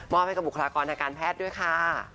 ให้กับบุคลากรทางการแพทย์ด้วยค่ะ